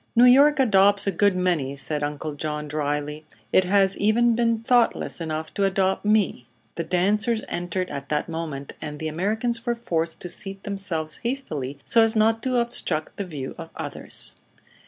"New York adopts a good many," said Uncle John, drily. "It has even been thoughtless enough to adopt me." The dancers entered at that moment and the Americans were forced to seat themselves hastily so as not to obstruct the view of others.